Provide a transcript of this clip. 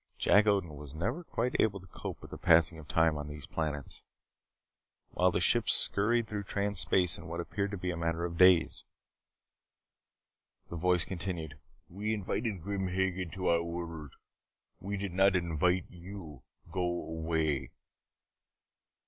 Jack Odin was never quite able to cope with the passing of time on these planets, while the ships scurried through Trans Space in what appeared to be a matter of a few days. The voice continued. "We invited Grim Hagen to our world. We did not invite you. Go away."